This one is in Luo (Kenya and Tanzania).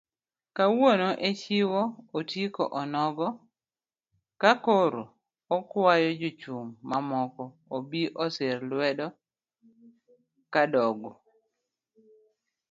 Kawuono echiwo otiko onogo kakoro okwayo jochung' mamoko obi osir lwedo Kadogo.